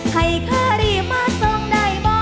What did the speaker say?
ให้ขรีมส่องได้บ่